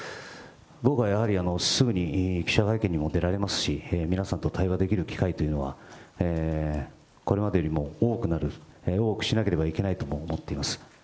僕はやはりすぐに記者会見にも出られますし、皆さんと対話できる機会というのは、これまでよりも多くなる、多くしなければいけないと思っています。